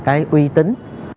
cái uy tín